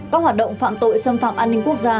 các hoạt động phạm tội xâm phạm an ninh quốc gia